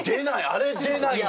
あれ出ないよ。